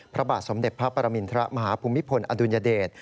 พระบาทสมเด็จพระปรมินทรมาฮภูมิพลอดุลยเดช